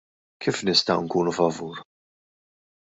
Kif nistgħu nkunu favur!?